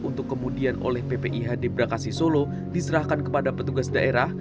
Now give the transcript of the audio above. untuk kemudian oleh ppih debrakasi solo diserahkan kepada petugas daerah